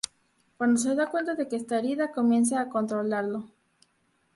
Cuando se da cuenta de que está herida, comienza a controlarlo.